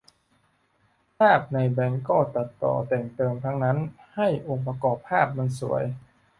ภาพในแบงค์ก็ตัดต่อแต่งเติมทั้งนั้นให้องค์ประกอบภาพมันสวย